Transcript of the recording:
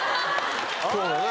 そうだよね。